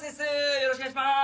よろしくお願いします！